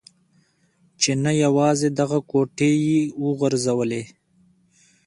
چې نه یوازې دغه کوټې يې و غورځولې.